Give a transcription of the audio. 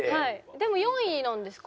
でも４位なんですか？